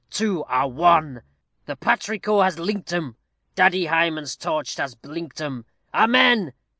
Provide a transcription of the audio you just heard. Two are ONE! The patrico has link'd 'em; Daddy Hymen's torch has blink'd 'em. Amen!